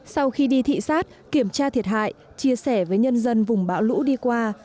sau khi đi thị xát kiểm tra thiệt hại chia sẻ với nhân dân vùng bão lũ đi qua